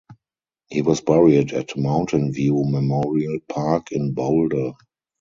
He was buried at Mountain View Memorial Park in Boulder.